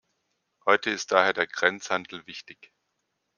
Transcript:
Heute ist daher der Grenzhandel wichtig.